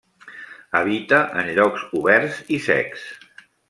Habita en llocs oberts i secs.